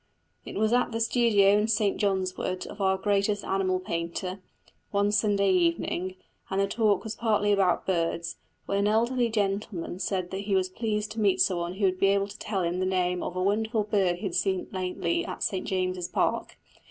It was at the studio in St John's Wood of our greatest animal painter, one Sunday evening, and the talk was partly about birds, when an elderly gentleman said that he was pleased to meet some one who would be able to tell him the name of a wonderful bird he had lately seen in St James's Park.